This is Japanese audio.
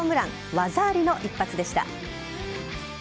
技ありの一発でした。